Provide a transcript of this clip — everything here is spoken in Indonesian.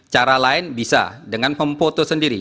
cara lain bisa dengan memfoto sendiri